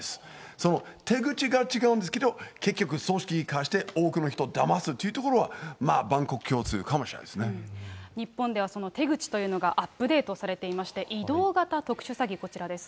その手口が違うんですけど、結局組織化して多くの人をだますっていうところは、万国共通かも日本ではその手口というのがアップデートされていまして、移動型特殊詐欺、こちらです。